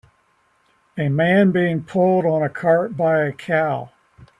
A man being pulled on a cart by a cow